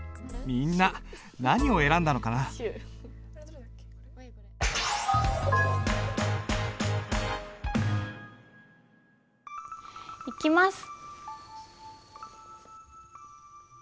みんな何を選んだのかな？いきます！